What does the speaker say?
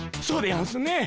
そうでやんすね。